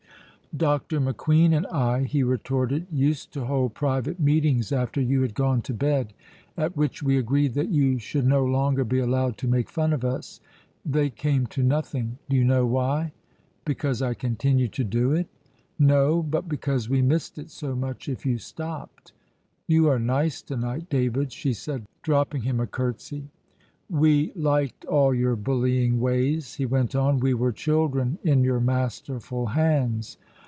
"Dr. McQueen and I," he retorted, "used to hold private meetings after you had gone to bed, at which we agreed that you should no longer be allowed to make fun of us. They came to nothing. Do you know why?" "Because I continued to do it?" "No; but because we missed it so much if you stopped." "You are nice to night, David," she said, dropping him a courtesy. "We liked all your bullying ways," he went on. "We were children in your masterful hands."